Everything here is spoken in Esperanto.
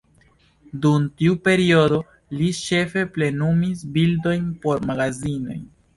Dum tiu periodo, li ĉefe plenumis bildojn por magazinoj.